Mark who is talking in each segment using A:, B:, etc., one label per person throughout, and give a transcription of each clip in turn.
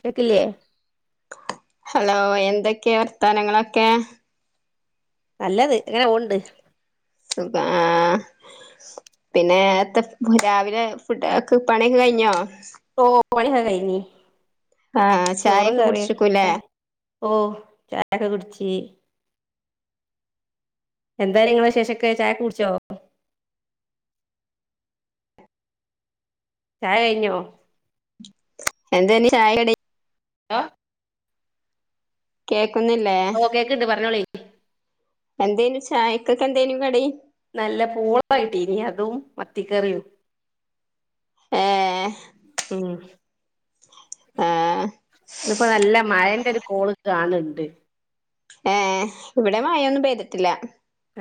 A: കേട്ടില്ലേ
B: ഹലോ, എന്തൊക്കെയാ വർത്താനങ്ങളൊക്കെ
A: നല്ലത് ഇങ്ങനെ പോണുണ്ട്
B: സുഖ, ആ, പിന്നെത്തെ രാവിലെ ഫുഡ് ഒക്കെ പണിക്കെ കഴിഞ്ഞോ
A: ഓ [unintelligible]
B: ആ
A: ചോറും
B: ചായയൊക്കെ കുടിച്ചിരിക്കൂലേ
A: കറിയൊക്കെ ഓ ചായക്ക കുടിച്ചി എന്തായ് നിങ്ങടെ വിശേഷൊക്കെ ചായയൊക്ക കുടിച്ചോ ചായ കഴിഞ്ഞോ
B: എന്താണ് ചായ കടി
A: ആ
B: കേ
A: ഓ കേക്ക്ണ്ട് പറഞ്ഞോളി
B: എന്തേനു ചായക്കൊക്കെ എന്തേനു കടി
A: നല്ല പൂളായിട്ട് ഇനി അതും മത്തിക്കറിയും
B: ഏഹ്
A: ഉം
B: ആഹ്
A: ഇവിടിപ്പോ നല്ല മഴേണ്ട് കോള് കാണുണ്ട്
B: ഏ ഇവിടെ മാഴയൊന്നും പെയ്തിട്ടില്ല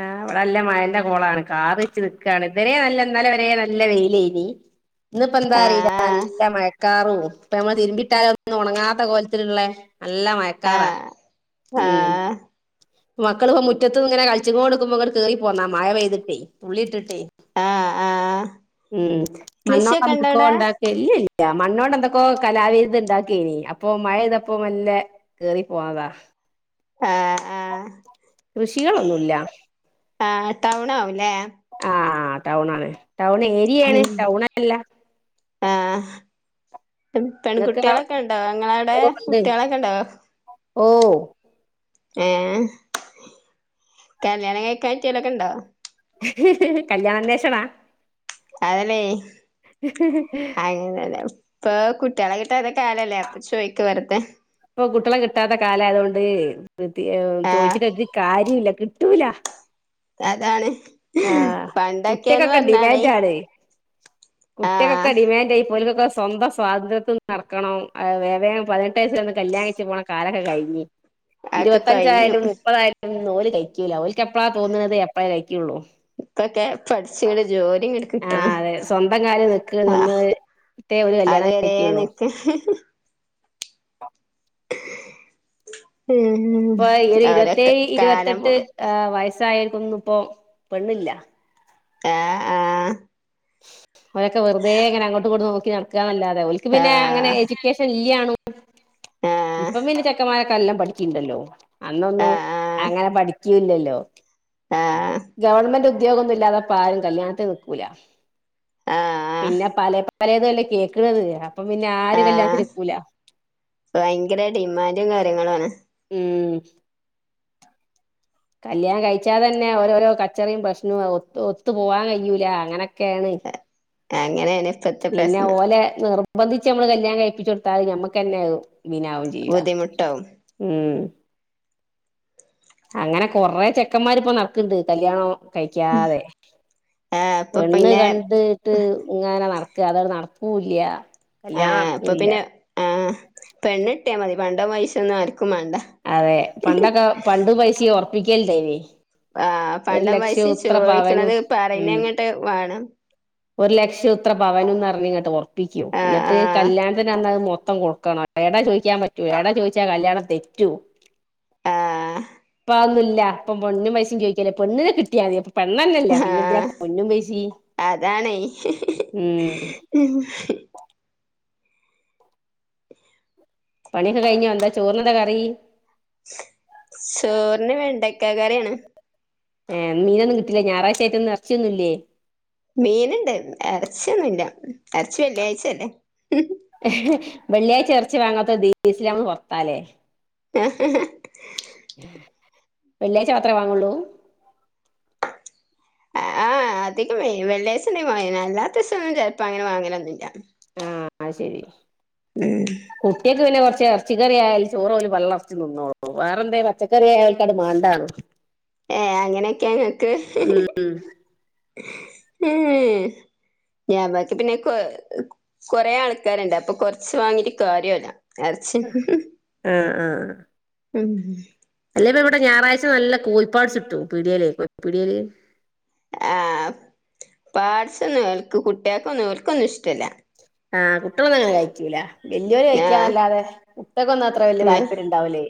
A: ആ ഇവിടെ നല്ല മഴന്റെ കോളാണ് കാറ് വെച്ച് നിക്കാണ് ഇതുവരെ ഇന്നലെ വരെ നല്ല വെയിലാനി ഇന്നിപ്പ എന്താ അറിയില്ല
B: ആഹ്
A: നല്ല മഴക്കാറും ഇപ്പ നമ്മള് തിരുമ്പിട്ടാലും ഒന്നും ഉണങ്ങാത്ത കോലത്തിലുള്ളേ
B: ആ
A: ഉം
B: ആ
A: മക്കള് മുറ്റത്ത് ഇങ്ങനെ കളിച്ചങ്ങോണ്ട് നിക്കുമ്പോ ഇങ്ങട്ട് കേറി പോന്നാ മഴ പെയ്തിട്ടേ തുള്ളി ഇട്ടിട്ടേ
B: ആ ആ
A: ഉം മണ്ണോ പന്തക്കോ ഉണ്ടാക്ക മണ്ണോണ്ട് എന്തൊക്കോ കലാവിരുത് ഉണ്ടാക്കിയനി അപ്പൊ മഴപെയ്തപ്പോ കേറി പോന്നതാ
B: ആ
A: കൃഷികളൊന്നുമില്ല
B: ആ ടൗൺ ആവൂല്ലേ
A: ആ ടൗൺ ആണ് ടൗൺ ഏരിയയാണ്
B: ഉം
A: ടൗൺ അല്ല
B: ആഹ്
A: ഇങ്ങക്ക്
B: പെൺകുട്ടികളൊക്കെ ഉണ്ടാവോ നിങ്ങടെ അവിടെ
A: ഓ ഉണ്ട്
B: കുട്ടികളൊക്കെ ഉണ്ടാവോ
A: ഓ
B: ഏ കല്യാണം കഴിക്കാം പറ്റിയോലൊക്കെണ്ടോ
A: കല്യാണ അന്വേഷണാ
B: അതല്ലേ അങ്ങനല്ലെപ്പൊ കുട്ട്യാളെ തെ കാലല്ലേ അപ്പൊ ചോയ്ക്ക വെർദേ
A: ഇപ്പം കുട്ട്യളെ കിട്ടാത്ത കാലായതോണ്ട് പ്രത്യേ
B: ആഹ്
A: ചോദിച്ചിട്ട് ഒരു കാര്യോല്ല ട്ടൂല
B: അതാണ് പണ്ടൊക്കേന്ന്
A: കുട്ടികക്കൊക്കെ
B: പറഞ്ഞാലേയ്
A: ഡിമാൻഡാണ് കുട്ടികൾക്കൊക്കെ
B: ആഹ്
A: ഡിമാൻഡായി ഇപ്പോൽക്കൊക്കെ സ്വന്തം സ്വാതന്ത്ര്യത്തിൽ നടക്കണം വേം വേം പതിനെട്ട് വയ കല്യാണം കയിച്ച് പോണ കാലൊക്കെ കയിഞ്
B: അതൊക്കെ കഴിഞ്ഞു
A: ഇരുപത്തഞ്ചായാലും മുപ്പതാ ഓല് കയിക്കൂല ഓൽക്ക് എപ്പളാ തോന്ന്ണത് എപ്പഴാ കയിക്ക്ള്ളൂ
B: ഇപ്പക്കെ പഠിച്ച്ങ്ങട്ട് ജോലി ഇങ്ങട്ട്
A: ആഹ്
B: കിട്ടണം
A: അതെ സ്വന്തം കാലിൽ നിക്ക്
B: ആഹ്
A: നിന്നിട്ടേ ഒരു
B: അത്
A: കല്യാണം
B: വരെ
A: കഴിക്കുള്ളൂ
B: നിക്ക് ഉം
A: ഇപ്പ ഒരു
B: ഓരോ
A: ഇരുപത്തേഴ്
B: കാലം പോ
A: ഇരുപത്തെട്ട് ഏ വയസ് ആയോര്ക്കൊന്നുപ്പോ പെണ്ണ്ല്ല
B: ആഹ് ആഹ്
A: ഓലൊക്കെ വെറ്തേങ്ങനെ അങ്ങാട്ടുങ്ങാട്ടും നോ നടക്കാനല്ലാതെ ഓർക് പിന്നെ അങ്ങനെ
B: ആഹ്
A: എഡ്യൂക്കേഷൻ ഇല്ലയാണു
B: ആഹ്
A: ഇപ്പ പിന്ന ചെക്കമാര് എല്ലം പഠിക്കിണ്ടല്ലോ
B: ആഹ്
A: അന്നൊന്നും
B: ആഹ്
A: അങ്ങനെ പഠി [unintelligible]
B: ആഹ് ആഹ്
A: ഗവൺമെന്റ് ഉദ്യോഗോന്നുല്ലാത്തപ്പാരും കല്യാണത്തിന് നിക്കൂല്ല.
B: ആഹ്
A: പിന്നെ പലെ പലേതുല്ലേ കേക്ക്ണത് അപ്പൊ പിന്നെ ആര്
B: ആഹ്
A: കല്യാണത്തിന്ക്കൂല
B: ന്റും കാര്യങ്ങളാണ്
A: മ് കല്യാണം കഴിച്ചാ തന്നെ ഓരോരോ കച്ചറീം പ്രശ്നവും ഒ ഒത്തു പോവാൻ കഴിയൂല അങ്ങനൊക്കേണ്.
B: അങ്ങനെയാണ് ഇപ്പത്തെ പ്രശ്നം
A: ബന്ധിച്ച് നമ്മള് കല്യാണം കഴിപ്പിച്ച് കൊടുത്താല് ഞമ്മക്ക് തന്നെയാകും വിന ആവും ചെയ്യാ
B: ബുദ്ധിമുട്ടാവും.
A: ഉം അങ്ങനെ കൊറേ ചെക്കന്മാരിപ്പോ നടക്കണ്ട് കല്യാണോ കഴിക്കാതെ.
B: ആഹ് ഇപ്പൊ
A: പെണ്ണ്
B: പിന്നെ
A: കണ്ടിട്ട് ഇങ്ങനെ നടക്ക ക്ക് അതങ്ങട് നടപ്പൂല്ല കല്യാണം ആക്കൂല്ല
B: പെണ്ണ് കിട്ട്യാ മതി പണ്ടോംപൈസ ഒന്നും ആര്
A: അതെ പണ്ടൊക്കെ പണ്ട് പൈസ ഒർ പ്പിക്കൽ ണ്ടേനി.
B: ആ പണ്ട് വയസ്യൻ
A: പവനും
B: ചോദിക്കണത്
A: ഉം
B: പറയണങ്ങട്ട് വേണം
A: ഒരു ലക്ഷം ഇത്ര പവനുംന്ന് പറഞ്ഞ് ഇങ്ങട്ട് പോ പ്പിക്കും.
B: ആഹ്
A: എന്നിട്ട്
B: ആഹ്
A: കല്യാണത്തിൻ്റന്ന് മൊ മൊത്തം കൊടുക്കണം. ഏടാ ചോദിക്കാൻ പറ്റോ ഏടാ ചോദിച്ചാ കല്യാണം തെറ്റോ.
B: ആഹ്
A: ഇപ്പ അതൊന്നുല്ല ഇപ്പൊ പൊന്നും പൈസയും ചോദിക്കേല പെണ്ണിനെ കിട്ടിയാതി പെണ്ണന്നെ ഇല്ല പിന്നെന്തിനാ പൊന്നും പൈസി
B: ന്നെയ്.
A: പണിയൊക്കെ കഴിഞ്ഞോ എന്താ ചോറിനെന്താ കറി
B: ചോറിന് വേണ്ടക്കാ കറിയാണ്
A: ഏ മീനൊന്നും കിട്ടീല്ലേ. ഞായറാഴ്ച ആയി ട്ടിന്ന് ഇറച്ചിയൊന്നൂല്ലേ.
B: മീനുണ്ട് ഇറച്ചിയൊന്നുല്ല. ഇറച്ചി വെള്ളിയാഴ്ച അല്ലേ
A: വെള്ളിയാഴ്ച ഇറച്ചി വാങ്ങാത്ത ദിസലാമ് പുറത്താലേ
B: ഹ് ഹ..
A: വെള്ളിയാഴ്ച മാത്രേ വാങ്ങൊള്ളൂ
B: ആ അധികം വെള്ളിയാഴ്ച്ചന്നെ വാങ്ങനെ. അല്ലാത്ത ദിവസൊന്നും ചിലപ്പോ അങ്ങനെ വാങ്ങലൊന്നൂല്ല
A: ആ ശരി കുട്ടിയൊക്കെങ്ങനൊറ ഇറച്ചിക്കറി ആയാലും ചോറ് ഓല് പള്ള നെറച്ച് തിന്നോളൂ. വേറെന്തേ പച്ചക്കറി ആയാല് അത് മാണ്ടാണ്
B: ഏ അങ്ങനെയൊക്കെ ങ്ങക്ക്
A: ഉം
B: ഉം ഞാൻ ബാക്കി പിന്നെ കൊ കൊറേ ആൾക്കാരുണ്ട് അപ്പൊ കൊറച്ച് വാങ്ങിട്ട് കാര്യല്ല എറച്ചി
A: ആ ആ
B: ഉം
A: അപ്പ ഇവിടെ ഞായറാഴ്ച നല്ല കോഴിപ്പാട്സ് കിട്ടും. പീടിയേലെ പിടിയേല്
B: ആ പാട്സ് ഒന്നും ഓൽക്ക് കുട്ടികക്ക് ഒന്നും ഇവർക്ക് ഒന്നും ഇഷ്ടല്ല.
A: ആ കുട്ടികളൊന്നും അങ്ങനെ കഴിക്കൂല വല്ലിയോരു
B: ആഹ്
A: കഴിക്കൂന്നല്ലാതെ കുട്ടികൾക്കൊന്നും അത്ര വലിയ
B: ഉം
A: താല്പര്യം ഉണ്ടാവൂല്ലേ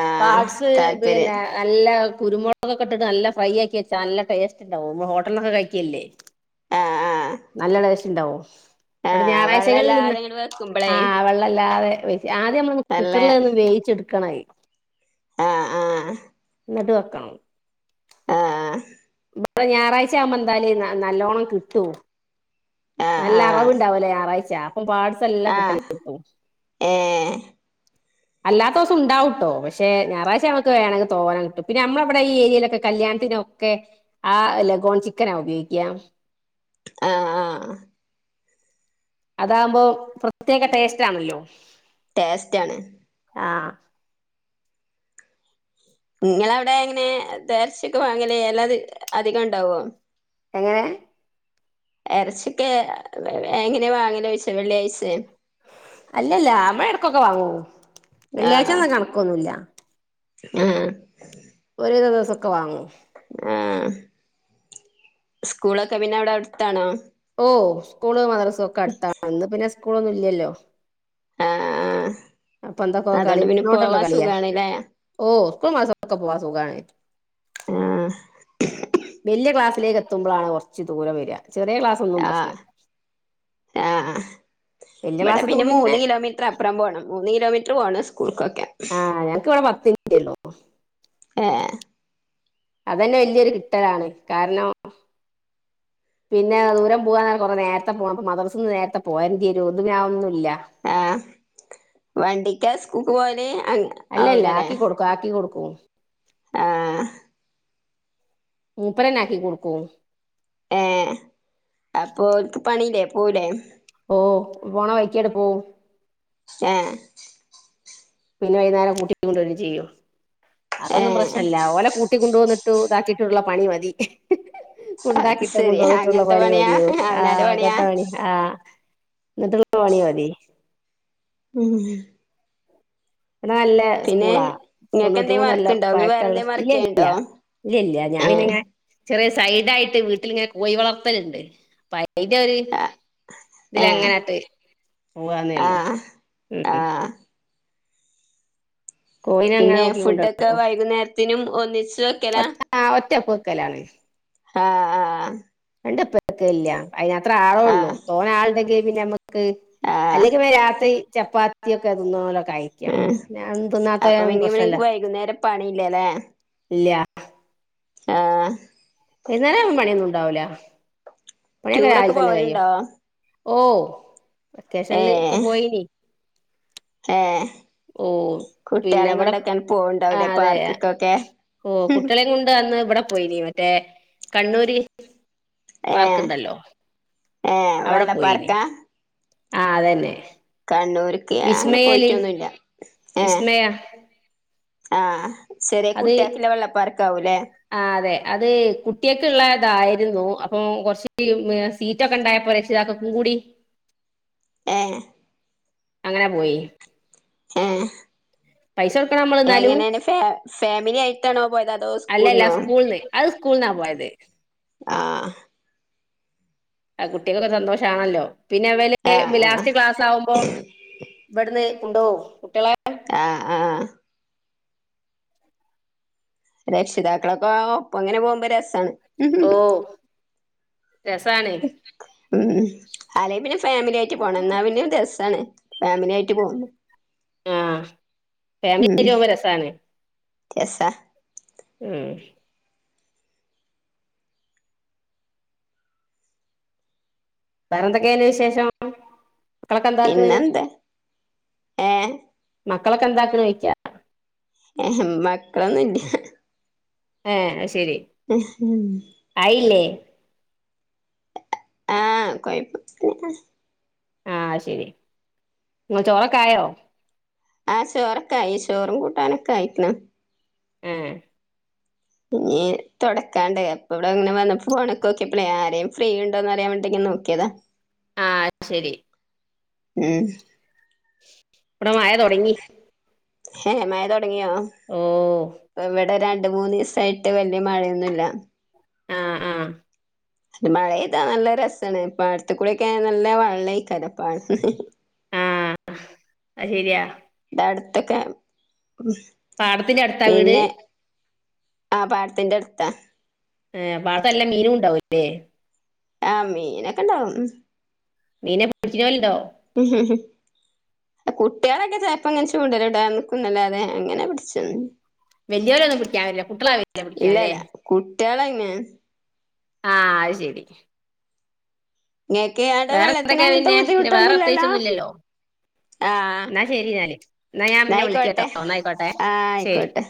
B: ആഹ്
A: പാട്സ് പിന്നെ
B: താല്പര്യം
A: നല്ല കുരുമുളൊക്കെ ഇട്ടിട്ട് നല്ല ഫ്രൈ ആക്കി വെച്ചാ നല്ല ടേസ്റ്റ് ഉണ്ടാവുംമ്മ ഹോട്ടലൊക്കെ കഴിക്കിയല്ലേ
B: ആഹ് ആഹ്
A: നല്ല ടൈസ്റ്റ് ണ്ടാവും ഇവിടെ
B: ആഹ്
A: ഞായറാഴ്ചകളിൽ ഇന്ന്
B: വെള്ളല്ലാതെ ഇങ്ങട് വെക്കുമ്പളേ
A: ആഹ വെള്ളല്ലാതെ ആദ്യം നമ്മൾ
B: നല്ല
A: കുക്കറൽ ഒന്ന് വേവിച്ചെടുക്കണായി
B: ആഹ ആഹ
A: ന്നട്ട് വെക്കണം
B: ആഹ് ആ
A: ഇവിടെ ഞായറാഴ്ച ആവുമ്പോൾ എന്താലും നല്ലോണ്ണം കിട്ടും
B: ആഹ്
A: നല്ല
B: ആഹ്
A: അറവുണ്ടാവല്ലോ ഞായറാഴ്ച ചാപ് ഇപ്പം പാട്സ് എല്ലാം കിട്ടല
B: ആഹ്
A: എടുത്തു
B: ഏഹ്
A: അല്ലാത്ത ദിവസം ഉണ്ടാവൂട്ടോ പക്ഷെ ഞായറാഴ്ച നമുക്ക് വേണമെങ്കിൽ തോന കിട്ടും പിന്നെ നമ്മളവിടെ ഈ ഏരിയയിലൊക്കെ കല്യാണത്തിനൊക്കെ ആ ലഗോൺ ചിക്കനാ ഉപയോഗിക്കാ
B: ആഹ ആഹ
A: അതാകുമ്പോ പ്രത്യേക ടേസ്റ്റ്ണല്ലോ
B: ടേസ്റ്റ് ആണ്
A: ആഹ
B: നിങ്ങളവിടെ എങ്ങനെ ഇറച്ചിയൊക്കെ വേങ്ങൽ എല്ലാ അധികം ഉണ്ടാവോ
A: എങ്ങനെ
B: ഇറച്ചിക്കെ എങ്ങനെയ വാങ്ങലോയിച്ച വെള്ളിയാഴ്ചെ
A: ക്കൊക്കെ വാങ്ങോ വെള്ളിയാഴ്ച എന്ന കണക്കൊന്നുമല്ല
B: ആഹ
A: ഒക്കെ വാങ്ങും
B: ആ സ്കൂളൊക്കെ പിന്നെ അവിടെ അടുത്താണോ
A: സ്കൂൾ മദ്രാസ് സക്കെ. അടുത്ത ഇന്ന് പിന്നെ സ്കൂൾ ഒന്നും ഇല്ലല്ലോ
B: ആഹ്
A: അപ്പൊ എന്തൊക്ക
B: ആഹ്
A: കളി
B: അതുകൊണ്ട് പിന്നെ
A: മണ്ണോണ്ട്ള്ള
B: പോവാൻ
A: കളിയാ
B: സുഖാണ്ല്ലേ?
A: ഓ സ്കൂൾക്കും മദ്രസ്സക്കും പോകാൻ സുഗാണ്
B: ആഹ
A: വലിയ ക്ലാസ്സിലേക്ക് എത്തുമ്പോഴാണ് കുറച്ച് ദൂരം വരിക ചെറിയ ക്ലാസ്സൊന്നും
B: ആഹ
A: പ്രശ്ന
B: ആഹ
A: വല്യ
B: ഇവിടെ
A: ക്ലാസ്സെത്തുമ്പോ
B: പിന്നെ മൂന്ന് കിലോമീറ്റർ അപ്പുറം പോണം മൂന്ന് കിലോമീറ്റർ പോണം സ്കൂൾക്കൊക്കെ
A: ആഹ് ഞങ്ങക്ക് [unintelligible]
B: ഏ
A: അതന്നെ വല്യൊരു കിട്ടലാണ് കാരണം പിന്നെ ദൂരം പോകന്ന കൊറ നേരത്തെ പോണംപ്പ മദ്രസിൽ നിന്ന് നേരത്തെ പോരണ്ടിയരും ഇത് പിന്നെ അതൊന്നുല
B: ആഹ വണ്ടിക്കെ സ്കൂൾക്ക് പോകല്
A: അല്ലല്ല ആക്കി കൊടുക്കും ആക്കി കൊടുക്കും. ഉം
B: ആ
A: മൂപ്പരന്നെ ആക്കി കൊടുക്കും.
B: ഏ അപ്പോൽക്ക് പണീല്ലേ? പോവൂലെ?
A: ഓ പോണ വഴിക്കട് പോം
B: ആ
A: പിന്നെ വൈകുന്നേരം കൂട്ടി കൊണ്ടു വര്വേം ചെയ്യും. അതൊന്നും
B: ഏഹ്
A: പ്രശ്നമല്ല ഓലെ കൂട്ടിക്കൊണ്ട് വന്നിട് ട്ടു ഇതാക്കിട്ടുള്ള പണി മതി.
B: അത്
A: ഉണ്ടാക്കിയിട്ട
B: ശരി
A: കൊണ്ട് വന്നിട്ടുള്ള
B: അങ്ങനത്തെ
A: പണി
B: പണിയാ
A: മതിയോ ആ
B: അവനാന്റെ പണിയാ?
A: കട്ട പണി ആ എന്നിട്ടുള്ള പണി മതി.
B: ഉം.
A: ഇ നല്ല
B: പിന്നെ
A: സ്കൂളാ
B: ഇങ്ങക്ക്
A: തൊണ്ണൂറ്റി
B: എന്തേ
A: മൂന്ന് കൊല്ലം
B: വർക്ക്ണ്ടോ ഇങ്ങള് വേറെ
A: പഴക്കള്ള
B: എന്തേ
A: ഇല്ല്യഇല്ല്യ
B: വർക്കെയ്യ്ണ്ടോ
A: ഇല്ല്യഇല്ല്യ ഞാൻ
B: ഏഹ്
A: പിന്നിങ്ങ ചെറിയ സൈടായിട്ട് വീട്ടിലിങ്ങനെ കോഴി വളത്തലുണ്ട് അപ്പ അതിന്റെ ഒരു
B: ആഹ് ഏഹ്
A: ഇതിലങ്ങനട്ട് പോവാന്നേ ഒള്ളു.
B: ആഹ്
A: ഉം
B: ആഹ്
A: കോയിനെ അങ്ങനെ
B: പിന്നെ
A: നോക്കി കൊണ്ട്
B: ഫുഡൊക്കെ വൈകുന്നേരത്തിനും ഒന്നിച്ച് വെക്കലാ?
A: ഒറ്റ ഒറ്റക്ക് വെക്കലാണ്.
B: ആ ആ
A: രണ്ട പ്പെക്കയില്ല. അയിനത്ര ആളേ ഒള്ളൂ തോന ആളുണ്ടെങ്കി പിന്നെയെമ്മക്ക് ക്ക്
B: ആഹ് ആഹ്
A: അല്ലെങ്കിവി രാത്രി ചപ്പാത്തിയൊക്കെയാ തിന്നണല്. കഴിക്കണം
B: ഉം
A: ഞാൻ തിന്നാത്ത
B: അപ്പൊ ഇനി
A: പ്രശ്നല്ല
B: ഇവിടക്ക് വൈകുന്നേരം പണിയില്ലല്ലെ.
A: ഇല്ല്യാ.
B: ആഹ്.
A: വൈന്നേരം പണിയൊന്നും ഉണ്ടാവൂല. പണിയൊക്കെ
B: ടൂറൊക്കെ
A: രാവിലെ തന്നെ കഴിയും
B: പോവലുണ്ടോ?
A: ഓ അത്യാശ്യള്ള ക്കെ പോയിനി.
B: ഏ
A: ഓ പിന്നെവിടെ, ആ
B: പോവ്ണ്ടാവുലേ
A: അതെയ,
B: പാർക്ക്ക്കൊക്കെ
A: ഓ കുട്ടികളെയും കൊണ്ട് അന്നിവിടെ പോയിനി മറ്റേ കണ്ണൂര്.
B: ഏഹ്
A: പാർക്ക്ണ്ടല്ലോ
B: ഏഹ്
A: അവടെ പോയിനി.
B: വെള്ളപ്പാർക്കാ
A: ആ അതന്നെ.
B: കണ്ണൂര്ക്ക് അങ്ങനെ
A: വിസ്മയല്
B: പോയിട്ടൊന്നുല്ല. ഏ
A: വിസ്മയ
B: ആഹ്. സരി
A: അത്
B: കുട്ടിയാക്ക്‌ള്ള വെള്ളപ്പാർക്കാവൂല്ലേ?
A: അതേ കുട്ടിയൊക്ക്‌ ഉള്ള ഇതായിരുന്നു. അപ്പൊ കൊറച്ച് മ് സീറ്റൊക്കെ ഇണ്ടായപ്പോ രക്ഷിതാക്കക്കും കൂടി
B: ഏ
A: അങ്ങനെ പോയി.
B: ഏഹ്
A: പൈസ കൊടുക്കണം നമ്മൾ എന്നാലും
B: എങ്ങനാണ് ഫാ ഫാമിലി ആയിട്ടാണോ പോയത്. അതോ
A: അല്ലല്ല
B: സ്കൂൾന്നോ?
A: സ്കൂൾന്ന് അത് സ്കൂൾന്നാ പോയത്
B: ആ
A: ആ കുട്ടികക്കൊക്കെ സന്തോഷാണല്ലോ പിന്നെ
B: ആഹ്
A: അവല്
B: ആഹ്
A: ലാസ്റ്റ് ക്ലാസ് ആകുമ്പോ ഇവിടന്ന് ഉണ്ടോ കുട്ട്യോളെ
B: ആഹ് ആഹ് രക്ഷിതാക്കളൊക്കെ ഒപ്പം അങ്ങനെ പോകുമ്പോ രസാണ്
A: ഓ രസാണെ
B: ഉം അല്ലെങ്കി പിന്നെ ഫാമിലി ആയിട്ട് പോണം ഇന്നാ പിന്നെ ഒരു രസാണ് ഫാമിലി ആയിട്ട് പോന്നു
A: ആ ഫാമില്യായിട്ട് പോവുമ്പോ രസാണ്
B: രസ
A: ഉം വേറെ എന്തൊക്കെയില് വിശേഷം മക്കളൊക്കെ എന്താക്കണ്
B: പിന്നെന്തേ ഏ
A: മക്കളൊക്കെ എന്താക്കണ് ഓ യ്ക്കാ
B: ഏ മക്കളൊന്നും ഇല്ല
A: എ അയ്ശ ശരി ആയില്ലേ
B: ആഹ് കൊയ്പ്പം [unintelligible]
A: ആഹ് ശരി നിങ്ങ ചോറൊക്കായോ
B: ആഹ് ശോറൊക്കെ ആയി ശോറും കൂട്ടാനൊക്കെ ആയിക്കണ്
A: ഉം
B: ഇനി തൊടക്കാണ്ടേ അപ്പ ഇവടെ ഇങ്ങനെ വന്നപ്പോ ഫോണൊക്കെ ഓക്കിയപ്പഴേ ആരേം ഫ്രീ ഇണ്ടോന്നറിയാൻ വേണ്ടിങ്കെ നോക്കിയതാ
A: ആഹ് ശരി
B: ഉം
A: ഇവടെ മയ തൊടങ്ങി
B: ഹേ മയ തൊട തൊടങ്ങിയോ ഇവിടെ രണ്ട് രണ്ട് മൂന്നീസായിട്ട് വെല്യ മഴയൊന്നുല്ല
A: ആ ആ
B: മഴ പെയ്ത നല്ല രസാണ്. പാടത്തുകൂടെ നല്ല വെള്ളം അയ്ക്കാരം
A: ആ അത് ശരിയാ
B: ഇവിടെ അടുത്തൊക്കെ
A: പാടത്തിന്റെ അടുത്താ വീട്
B: പിന്നെ ആ പാടത്തിന്റെ അടുത്താ
A: ഏ പാടത്ത് നല്ല മീനും ഉണ്ടാവൂല്ലേ
B: ആഹ മീനൊക്കെ ഇണ്ടാവും
A: മീനെ പിട്ച്ച്ണോലുണ്ടോ?
B: കുട്ട്യാളൊക്കെ ചെൽപ്പോ ഇങ്ങനെ ചൂണ്ടല് ഇടാൻ നിക്കുന്നല്ലാതെ അങ്ങനെ പിടിച്ച
A: വല്യോരൊന്നു കുട്ട്യാഇല്ലേ കുട്ട്യളാ [unintelligible] പിടിക്കാല്ലേ
B: ഇല്ലല്ല കുട്ടികളങ്ങനെ
A: ആഹ് അത് ശെരി
B: ഇങ്ങക്ക് അവിടെ
A: വേറെ
B: വെള്ളത്തിന് അങ്ങനത്തെ
A: എത്രക്കെഴിഞ്ഞെ പിന്നെ
B: ബുദ്ധിമുട്ടൊന്നും
A: വേറെ പ്രിതേഘിച്ച്
B: ഇല്ലല്ലോ
A: ഒന്നുല്ലല്ലോ
B: ആഹ്
A: ഇന്നാ ശെരി ഞാല് എന്നാ ഞാൻ പിന്നെ വിളിക്കട്ടോ
B: ന്നായിക്കോട്ടെ
A: ഇന്നായിക്കോട്ടെ
B: ആഹ്
A: ശെരി
B: ആയിക്കോട്ടെ